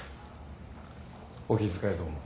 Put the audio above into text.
お気遣いどうも。